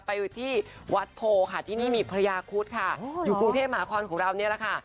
ไปที่วัดโพค่ะที่นี่มีพระยาคุดค่ะอยู่กรุงเทพมหาคอนของเรานี่แหละค่ะ